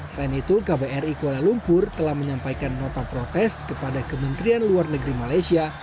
selain itu kbri kuala lumpur telah menyampaikan nota protes kepada kementerian luar negeri malaysia